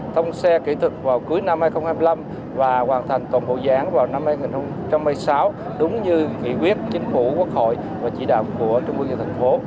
thông xe kỹ thuật vào cuối năm hai nghìn hai mươi năm và hoàn thành toàn bộ dự án vào năm hai nghìn một mươi sáu đúng như nghị quyết chính phủ quốc hội và chỉ đạo của trung ương và thành phố